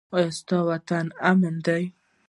ایا ستاسو وطن امن دی؟